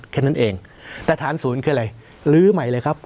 แค่นั้นเองแต่ฐานศูนย์คืออะไรลื้อใหม่เลยครับ